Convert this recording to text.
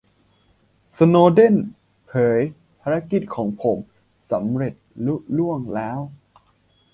'สโนว์เดน' เผย "ภารกิจของผมสำเร็จลุล่วงแล้ว"